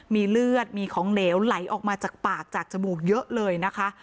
มีเลือดมีของเหลวไหลออกมาจากปากจากจมูกเยอะเลยนะคะ